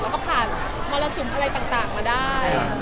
แล้วก็ผ่านมรสุมอะไรต่างมาได้